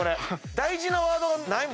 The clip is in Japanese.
大事なワードがないもん。